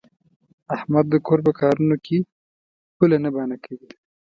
احمد د کور په کارونو کې پوله نه بانه کوي.